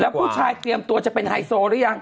ผู้ชายเตรียมตัวจะเป็นไฮโซหรือยัง